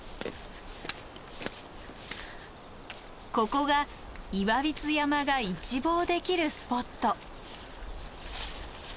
ここが岩櫃山が一望できるスポット。